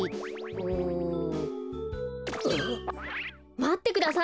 まってください！